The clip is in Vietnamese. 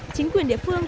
chính quyền địa phương